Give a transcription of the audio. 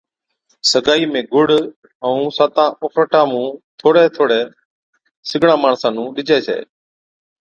سگائِي ۾ گُڙ ائُون ساتان اُڦراٽان مُون ٿوڙھي ٿوڙھي سِگڙان ماڻسان نُون ڏِجي ڇَي